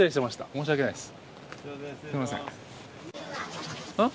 申し訳ないです。